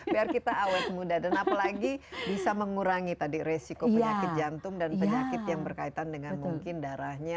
biar kita awet muda dan apalagi bisa mengurangi tadi resiko penyakit jantung dan penyakit darah